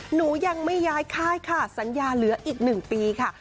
หนูยังไม่ย้ายค่ายค่ะสัญญาเหลืออีก๑ปีค่ะ